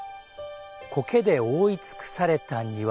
苔で覆い尽くされた庭。